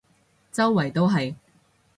周圍都係